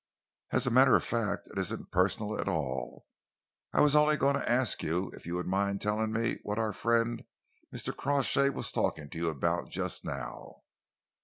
"As a matter of fact, it isn't personal at all. I was only going to ask you if you would mind telling me what our friend Mr. Crawshay was talking to you about just now?"